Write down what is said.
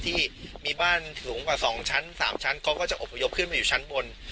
ที่มีบ้านสูงกว่า๒ชั้น๓ชั้นเขาก็จะอบพยพขึ้นไปอยู่ชั้นบน